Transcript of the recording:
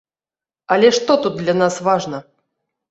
Але што тут для нас важна?